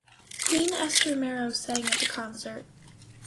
Queen Esther Marrow sang at the concert.